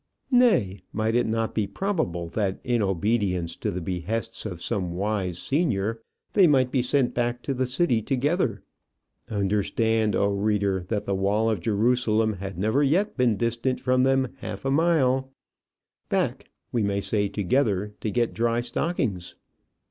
Nay, might it not be probable that, in obedience to the behests of some wise senior, they might be sent back to the city together; understand, O reader, that the wall of Jerusalem had never yet been distant from them half a mile back, we say, together to get dry stockings?